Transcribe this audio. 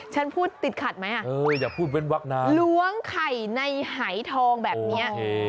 ฉันพูดติดขัดไหมล้วงไข่ในหายทองแบบนี้